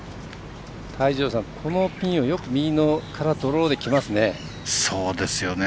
泰二郎さん、このピンをよく右からドローできますね。